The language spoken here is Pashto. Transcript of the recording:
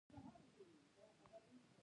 ایران د ورېښمو تولید کوي.